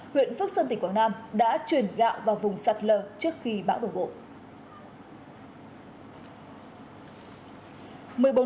huyện phước sơn tỉnh quảng nam đã chuyển gạo vào vùng sạt lở trước khi bão đổ bộ